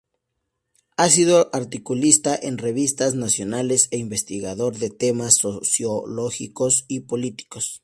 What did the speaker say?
Ha sido articulista en revistas nacionales e investigador de temas sociológicos y políticos.